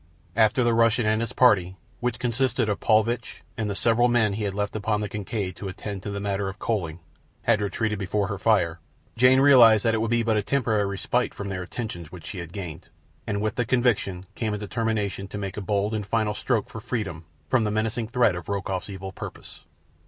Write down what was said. After the Russian and his party, which consisted of Paulvitch and the several men he had left upon the Kincaid to attend to the matter of coaling, had retreated before her fire, Jane realized that it would be but a temporary respite from their attentions which she had gained, and with the conviction came a determination to make a bold and final stroke for freedom from the menacing threat of Rokoff's evil purpose.